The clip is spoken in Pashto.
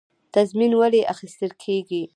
تضمین ولې اخیستل کیږي؟